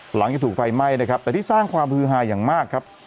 หลังจากถูกไฟไหม้นะครับแต่ที่สร้างความฮือหาอย่างมากครับ